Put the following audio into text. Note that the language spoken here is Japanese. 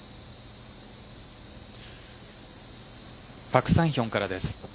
パク・サンヒョンからです。